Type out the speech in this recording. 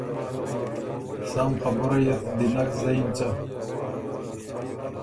سم خبُرئ ت دی نک زدۀ یِن څۀ؟